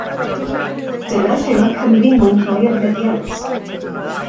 Dyna lle mae Cymru'n mwynhau'r meddiant.